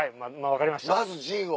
まず陣を。